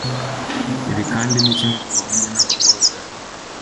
ibi kandi ni kimwe ku bahungu n'abakobwa